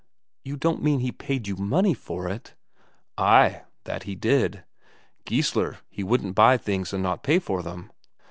"You you don't mean he paid you money for it?" "Ay, that he did. Geissler he wouldn't buy things and not pay for them."